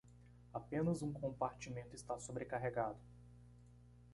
Apenas um compartimento está sobrecarregado